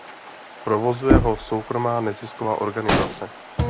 Provozuje ho soukromá nezisková organizace.